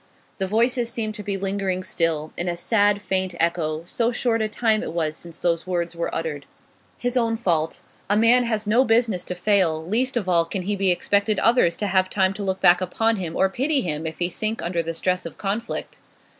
The voices seemed to be lingering still, in a sad, faint echo, so short a time it was since those words were uttered. His own fault. A man has no business to fail; least of all can he expect others to have time to look back upon him or pity him if he sink under the stress of conflict.